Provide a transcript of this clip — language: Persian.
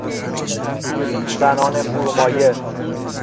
زنان فرومایه